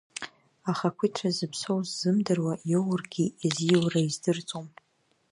Ахақәиҭра зыԥсоу ззымдыруа, иоургьы иазиура издырӡом.